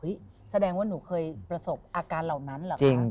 แสดงว่าหนูเคยประสบอาการเหล่านั้นเหรอคะ